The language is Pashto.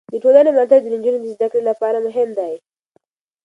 د ټولنې ملاتړ د نجونو د زده کړې لپاره مهم دی.